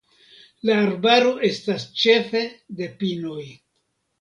La arbaro estas ĉefe de pinoj.